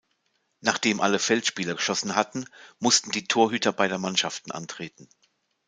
Nachdem alle Feldspieler geschossen hatten, mussten die Torhüter beider Mannschaften antreten.